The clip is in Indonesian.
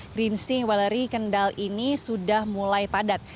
green sing weleri kendal ini sudah mulai padat